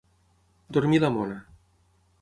Dormir la mona.